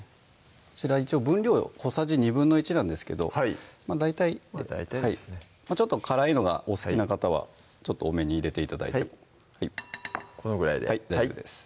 こちら一応分量小さじ１／２なんですけどまぁ大体で大体ですね辛いのがお好きな方はちょっと多めに入れて頂いてもこのぐらいではい大丈夫です